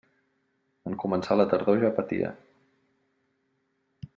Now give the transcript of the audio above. En començar la tardor ja patia.